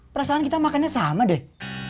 perasaan kita makannya sama deh